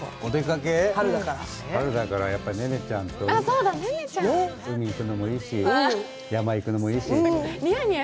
春だからやっぱりネネちゃんと海に行くのもいいし、山に行くのもいいし。